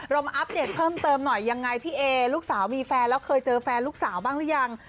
มาอัปเดตเพิ่มเติมหน่อยยังไงพี่เอลูกสาวมีแฟนแล้วเคยเจอแฟนลูกสาวบ้างหรือยัง